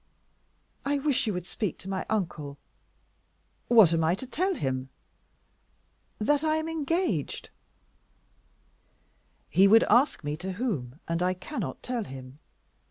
"I wish you would speak to my uncle." "What am I to tell him?" "That I am engaged." "He would ask me to whom, and I cannot tell him.